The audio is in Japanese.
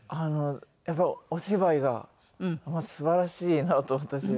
やっぱりお芝居がすばらしいなと私は思って。